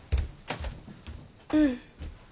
うん。